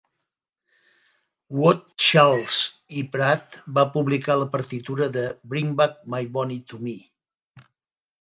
Wood, Charles E. Pratt va publicar la partitura de "Bring Back My Bonnie to Me".